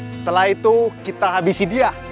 setelah itu kita habisi dia